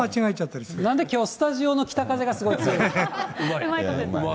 なんできょうスタジオの北風うまい。